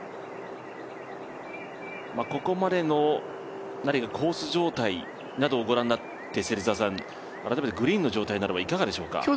ここまでのコース状態などを御覧になって、改めてグリーンの状態などはいかがでしょうか。